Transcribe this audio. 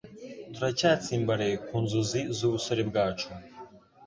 Turacyatsimbaraye ku nzozi z'ubusore bwacu.